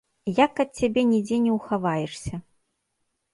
Як ад цябе нідзе не ўхаваешся.